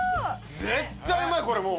絶対うまいこれもう。